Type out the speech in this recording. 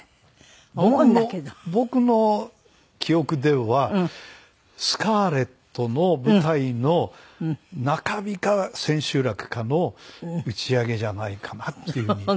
僕の僕の記憶では『スカーレット』の舞台の中日か千秋楽かの打ち上げじゃないかなっていう。